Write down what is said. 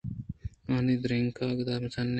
آئی ء ِرینک ءُاُگدہ مزن اِنت